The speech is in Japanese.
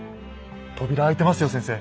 扉開いてますよ先生。